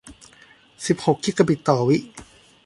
สิบหกกิกะบิตต่อวิ